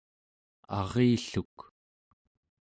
arilluk